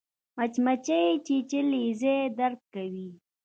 مچمچۍ چیچلی ځای درد کوي